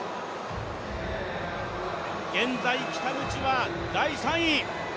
現在、北口は第３位。